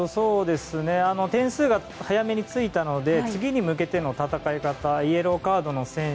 点数が早めについたので次に向けての戦い方イエローカードの選手